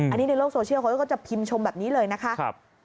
อันนี้ในโลกโซเชียลเขาก็จะพิมพ์ชมแบบนี้เลยนะคะ